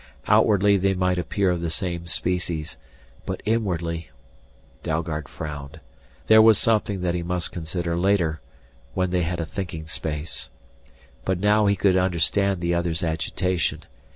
Outwardly they might appear of the same species, but inwardly Dalgard frowned there was something that he must consider later, when they had a thinking space. But now he could understand the other's agitation.